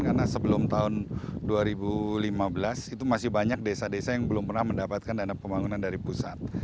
karena sebelum tahun dua ribu lima belas itu masih banyak desa desa yang belum pernah mendapatkan dana pembangunan dari pusat